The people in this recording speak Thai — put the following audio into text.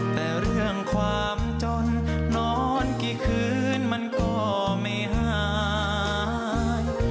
แต่เรื่องความจนนอนกี่คืนมันก็ไม่หาย